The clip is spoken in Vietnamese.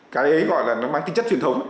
cái ấy gọi là nó mang tinh chất truyền thống